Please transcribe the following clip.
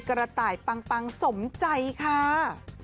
กระต่ายปังสมใจค่ะ